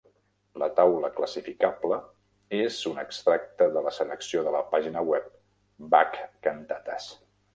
La taula classificable és un extracte de la selecció de la pàgina web 'Bach-Cantatas'.